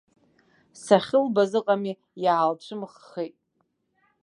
Сахьылбаз, ыҟами, иаалцәымыӷхеит.